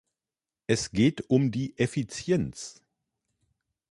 Es geht um die Effizienz.